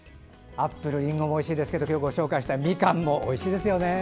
アップルりんごもおいしいですけど今日ご紹介したみかんもおいしいですよね。